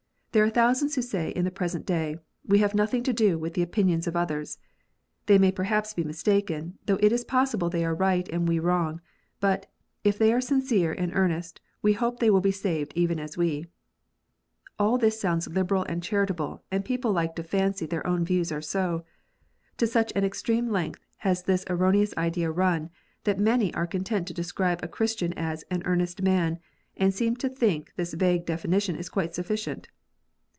There are thousands who say in the present day, " We have nothing to do with the opinions of others. They may perhaps be mistaken, though it is possible they are right and we wrong : but, if they are sincere and earnest, we hope they will be saved even as we." And all this sounds liberal and charitable, and people like to fancy their own views are so ! To such an extreme length has this erron eous idea run, that many are content to describe a Christian as "an earnest man," and seem to think this vague definition is quite sufficient